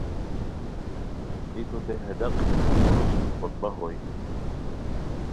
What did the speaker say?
بیکو تھے ہے ڈاق ہے کومورو سوم خطبہ ہوئے